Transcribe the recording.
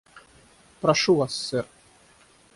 Прошу вас, сэр.